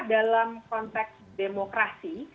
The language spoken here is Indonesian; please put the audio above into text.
dalam konteks demokrasi